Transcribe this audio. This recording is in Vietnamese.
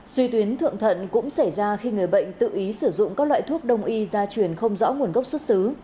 suy tuyến thượng thận cũng xảy ra khi người bệnh tự ý sử dụng các loại thuốc đông y gia truyền không rõ nguồn gốc xuất xứ